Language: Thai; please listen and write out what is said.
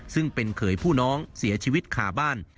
ซึ่งเป็นเขยผู้น้องเสียชีวิตขาบ้าน